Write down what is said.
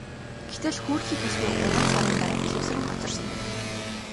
Гэтэл хөөрхий бүсгүй гуравхан сарын дараа бэлэвсрэн хоцорсон байна.